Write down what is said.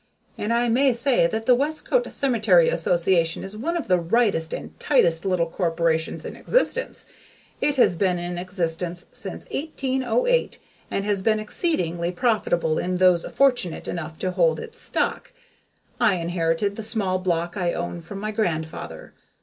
And I may say that the Westcote Cemetery Association is one of the rightest and tightest little corporations in existence. It has been in existence since 1808 and has been exceedingly profitable to those fortunate enough to hold its stock. I inherited the small block I own from my grandfather.